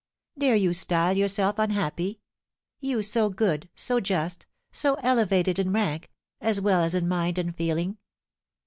"Dare you style yourself unhappy, you so good, so just, so elevated in rank, as well as in mind and feeling?